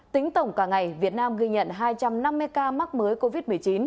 tính tổng cả ngày việt nam ghi nhận hai trăm năm mươi ca mắc mới covid một mươi chín